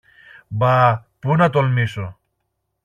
Μπα! Πού να τολμήσω!